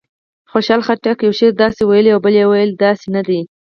خوشحال خټک یو شعر داسې ویلی او بل وایي داسې نه دی.